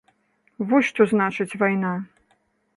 Вось што значыць вайна.